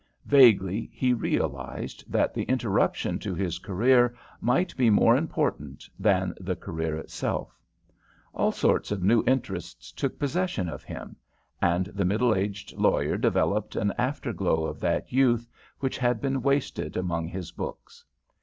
Vaguely he realised that the interruption to his career might be more important than the career itself. All sorts of new interests took, possession of him; and the middle aged lawyer developed an after glow of that youth which had been wasted among his books.